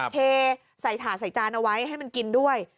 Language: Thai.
เทใส่ถาดใส่จานเอาไว้ให้มันกินด้วย